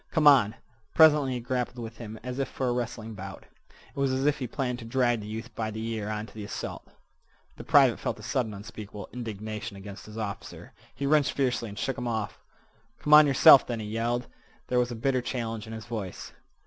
"Come on!" Presently he grappled with him as if for a wrestling bout. It was as if he planned to drag the youth by the ear on to the assault. The private felt a sudden unspeakable indignation against his officer. He wrenched fiercely and shook him off. "Come on yerself, then," he yelled. There was a bitter challenge in his voice.